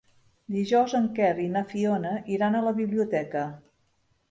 Dijous en Quer i na Fiona iran a la biblioteca.